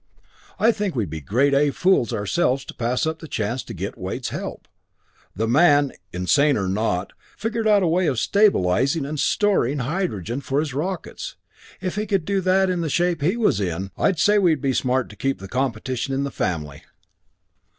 "I think we'd be grade A fools ourselves to pass up the chance to get Wade's help. The man insane or not figured out a way of stabilizing and storing atomic hydrogen for his rockets. If he could do that in the shape he was then in...! "I'd say we'd be smart to keep the competition in the family."